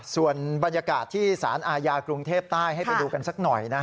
ส่วนบรรยากาศที่สารอาญากรุงเทพใต้ให้ไปดูกันสักหน่อย